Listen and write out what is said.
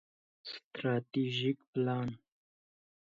ستراتیژیک پلان